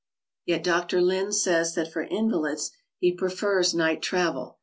Yet Dr. Linn says that for invalids he prefers night travel.